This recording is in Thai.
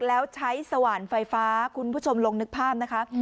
แล้วใช้สว่านไฟฟ้าคุณผู้ชมลองนึกภาพนะคะ